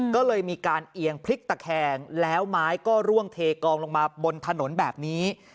ก็เลยมีการเอียงพลิกตะแคงแล้วไม้ก็ร่วงเทกองลงมาบนถนนแบบนี้